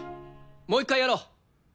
もう一回やろう。